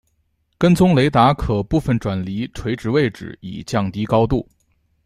跟踪雷达可部分转离垂直位置以降低高度。